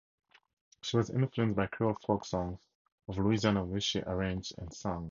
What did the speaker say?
She was influenced by Creole folksongs of Louisiana which she arranged and sang.